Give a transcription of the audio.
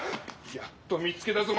やっと見つけたぞ。